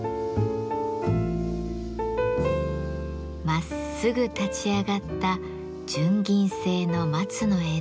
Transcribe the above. まっすぐ立ち上がった純銀製の松の枝。